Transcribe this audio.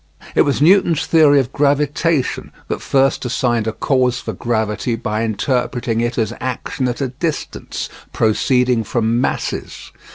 It was Newton's theory of gravitation that first assigned a cause for gravity by interpreting it as action at a distance, proceeding from masses.